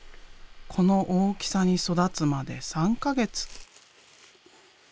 この大きさに育つまで３か月。